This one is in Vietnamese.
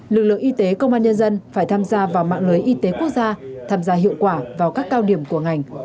lực lượng y tế công an nhân dân phải tham gia vào mạng lưới y tế quốc gia tham gia hiệu quả vào các cao điểm của ngành